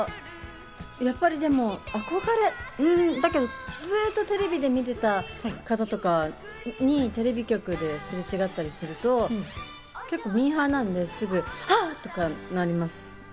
うん、ずっとテレビで見てた方とかにテレビ局ですれ違ったりすると、結構ミーハーなんで、すぐに「あっ！」とかなります。